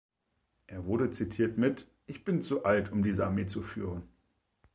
Er wurde zitiert mit „Ich bin zu alt, um diese Armee zu führen“.